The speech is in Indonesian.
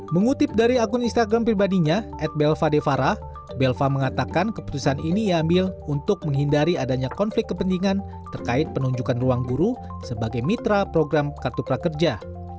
mengutip dari akun instagram pribadinya ad belva de farah belva mengatakan keputusan ini ia ambil untuk menghindari adanya konflik kepentingan terkait penunjukan ruang guru sebagai mitra program kartu prakerja